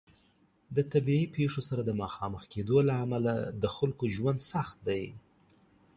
د طبیعي پیښو سره د مخامخ کیدو له امله د خلکو ژوند سخت دی.